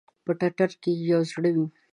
په ټټر کې ئې یو زړه وی